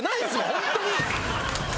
ホントに。